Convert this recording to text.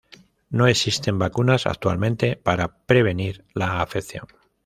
No existen vacunas actualmente para prevenir la afección.